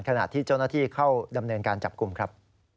ขณะที่เจ้าหน้าที่เข้าดำเนินการจับกลุ่มครับ